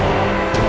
aku mau lihat